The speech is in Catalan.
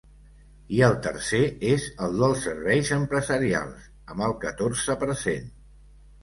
I el tercer és el dels serveis empresarials, amb el catorze per cent.